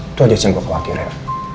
itu aja sih yang gue khawatir ya